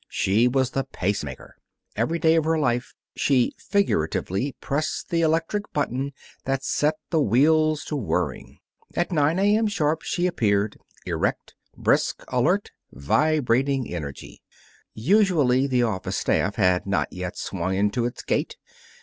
She was the pacemaker. Every day of her life she figuratively pressed the electric button that set the wheels to whirring. At nine A.M., sharp, she appeared, erect, brisk, alert, vibrating energy. Usually, the office staff had not yet swung into its gait.